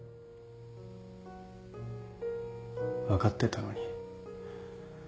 分かってたのに。